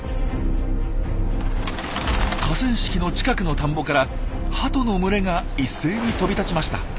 河川敷の近くの田んぼからハトの群れが一斉に飛び立ちました。